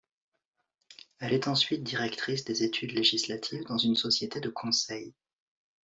Elle est ensuite directrice des études législatives dans une société de conseil.